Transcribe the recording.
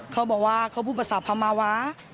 เขาบอกว่าเขาพูดภาษาพม่าวะ